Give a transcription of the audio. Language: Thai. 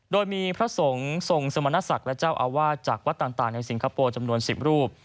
โดยมีพระสงฆ์ทรงสมณศักดิ์และเจ้าอาวาสจากวัดต่างในสิงคโปร์จำนวน๑๐รูป